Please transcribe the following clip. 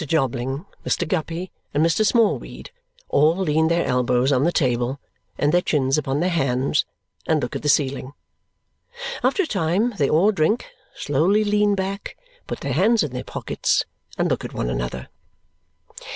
Jobling, Mr. Guppy, and Mr. Smallweed all lean their elbows on the table and their chins upon their hands, and look at the ceiling. After a time, they all drink, slowly lean back, put their hands in their pockets, and look at one another.